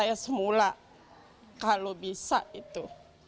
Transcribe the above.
saya semula kalau bisa itu